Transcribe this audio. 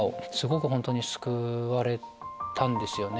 本当に救われたんですよね。